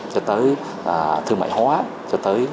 cho tới thương mại hóa cho tới